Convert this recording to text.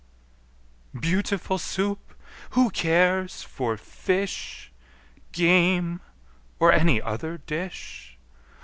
Beautiful Soup! Who cares for fish, Game, or any other dish?